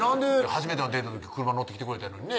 初めてのデートの時車乗ってきてくれたらいいのにね